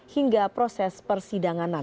hingga proses persidangannya